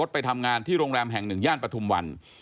ไปทำงานที่โรงแรมแห่งหนึ่งย่านปฐุมวัน